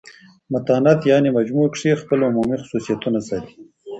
متانت یعني مجموع کښي خپل عمومي خصوصیتونه ساتي.